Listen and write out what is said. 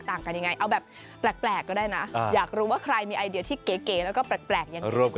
มันจึงชอบหลบแดดอยู่ในร่มไม้ครับ